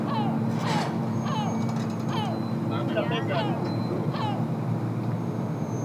Kati ya eneo hilo Kilomita za mraba